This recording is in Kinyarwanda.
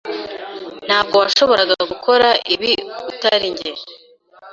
Ntabwo washoboraga gukora ibi utari njye.